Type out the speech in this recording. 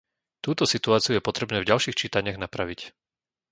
Túto situáciu je potrebné v ďalších čítaniach napraviť.